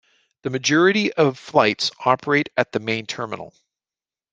The majority of flights operate at the Main Terminal.